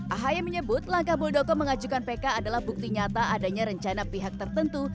ahaya menyebut langkah muldoko mengajukan pk adalah bukti nyata adanya rencana pihak tertentu